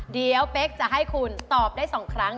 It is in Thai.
เดี๋ยวเป๊กจะให้คุณตอบได้๒ครั้ง